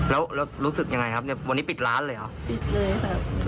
แล้วรู้สึกยังไงครับวันนี้ปิดร้านเลยหรอ